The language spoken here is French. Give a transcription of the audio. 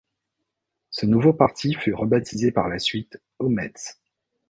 Ce nouveau parti fut rebaptisé par la suite Ometz.